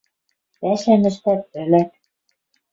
Пӓшӓм ӹштӓт, ӹлӓт